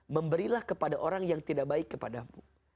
memberilah kepada orang yang tidak baik kepadamu